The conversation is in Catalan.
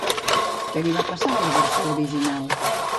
Què li va passar a la versió original?